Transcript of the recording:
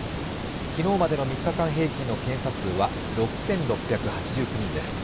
昨日までの３日間平均の検査数は６６８９人です。